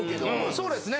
そうですね。